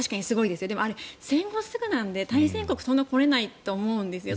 でも、あれは戦後すぐなので大戦国はそんなに来れないと思うんですよ。